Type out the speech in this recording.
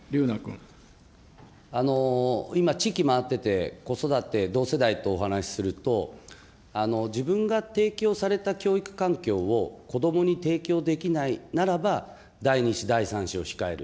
今、地域回ってて、子育て、同世代とお話しすると、自分が提供された教育環境を子どもに提供できないならば、第２子、第３子を控える。